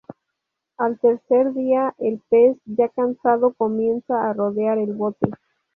Al tercer día, el pez, ya cansado, comienza a rodear el bote.